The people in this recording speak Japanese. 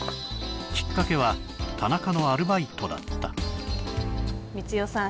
きっかけは田中のアルバイトだった光代さん